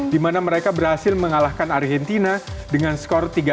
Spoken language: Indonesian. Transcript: dimana mereka berhasil mengalahkan argentina dengan skor tiga